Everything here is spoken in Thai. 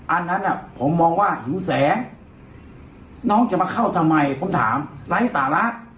อันนั้นผมมองว่าหิวแสงน้องจะมาเข้าทำไมผมถามไร้สาระ